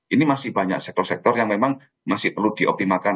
ini masih banyak sektor sektor yang memang masih perlu dioptimalkan